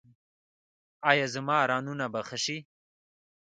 ایا زما رانونه به ښه شي؟